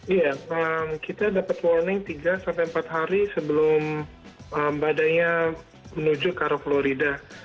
iya kita dapat warning tiga empat hari sebelum badainya menuju ke arah florida